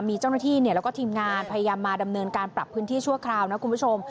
มีเจ้าหน้าที่แล้วก็ทีมงานพยายามมาดำเนินการปรับพื้นที่ชั่วคราวนะคุณผู้ชม